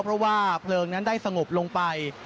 เพราะว่าเพลิงนั้นได้สงบลงไป